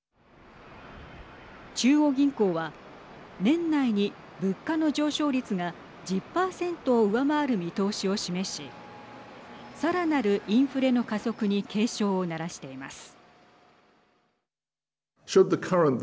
中央銀行は年内に物価の上昇率が１０％を上回る見通しを示しさらなるインフレの加速に警鐘を鳴らしています。